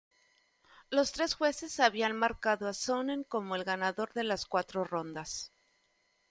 Los tres jueces habían marcado a Sonnen como el ganador de las cuatro rondas.